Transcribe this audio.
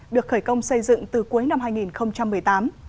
được khởi công xây dựng từ cuối năm hai nghìn một mươi tám